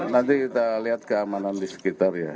nanti kita lihat keamanan di sekitar ya